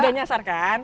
nggak nyasar kan